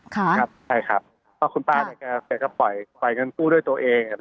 ใช่ครับคุณป้าจะไปกันกู้ด้วยตัวเอง